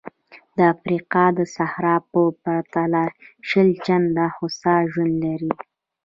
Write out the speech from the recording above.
د افریقا د صحرا په پرتله شل چنده هوسا ژوند لري.